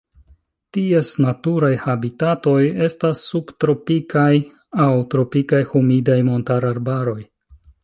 Ties naturaj habitatoj estas subtropikaj aŭ tropikaj humidaj montararbaroj.